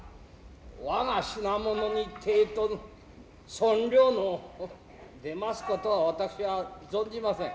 我品物に抵当の損料の出ますことは私は存じません。